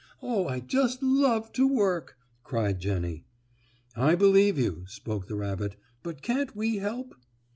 Oh, I just love to work!" cried Jennie. "I believe you," spoke the rabbit. "But can't we help?"